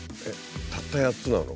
たった８つなの？